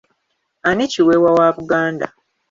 Ani kiweewa wa Buganda?